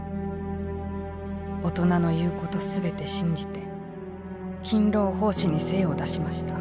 大人の言うこと全て信じて勤労奉仕に精を出しました。